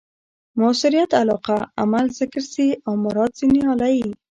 مؤثریت علاقه؛ عمل ذکر سي او مراد ځني آله يي.